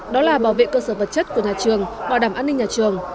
đó là bảo vệ cơ sở vật chất của nhà trường bảo đảm an ninh nhà trường